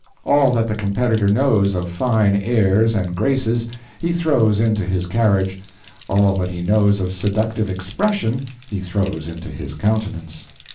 All that the competitor knows of fine airs and graces he throws into his carriage, all that he knows of seductive expression he throws into his countenance.